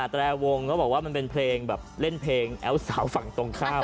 แตรวงเขาบอกว่ามันเป็นเพลงแบบเล่นเพลงแอลสาวฝั่งตรงข้าม